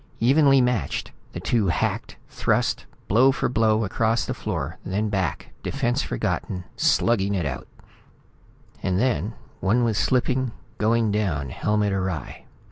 Evenly matched, the two hacked, thrust, blow for blow, across the floor, then back, defense forgotten, slugging it out. And then one was slipping, going down, helmet awry.